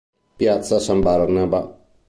Piazza San Barnaba